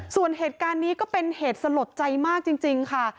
ส่วนเหตุการณ์นี้ก็เป็นเหตุสลดใจมากจริงค่ะ